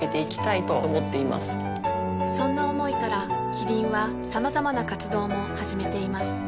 そんな思いからキリンはさまざまな活動も始めています